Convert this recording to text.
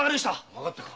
わかったか？